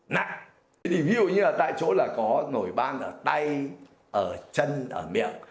này thì ví dụ như là tại chỗ là có nổi ban ở tay ở chân ở miệng